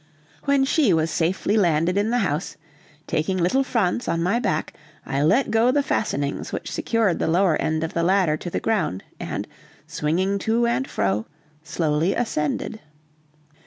When she was safely landed in the house, taking little Franz on my back, I let go the fastenings which secured the lower end of the ladder to the ground, and swinging to and fro, slowly ascended.